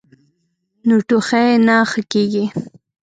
نو ټوخی نۀ ښۀ کيږي -